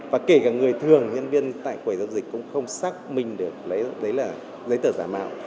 và kể cả người thường nhân viên tại quầy giao dịch cũng không xác mình được lấy giấy tờ giả mạo